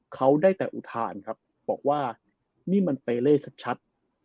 เขาได้แต่อุทานครับบอกว่านี่มันเปเล่ชัด